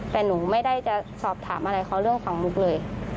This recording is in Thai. แต่หนูไม่ได้จะสอบถามอะไรเขาเรื่องของมุกเลย